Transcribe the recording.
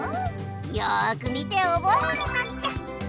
よく見ておぼえるのじゃ。